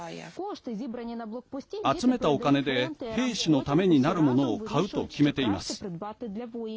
集めたお金で兵士のためになるものを買うと決めています。